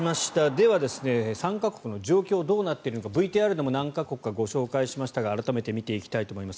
では、参加国の状況がどうなっているのかＶＴＲでも何か国か紹介しましたが改めて見ていきたいと思います。